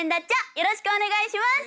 よろしくお願いします。